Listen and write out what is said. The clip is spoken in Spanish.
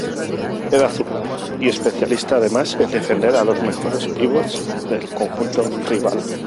Era zurdo, y especialista además en defender a los mejores pívots del conjunto rival.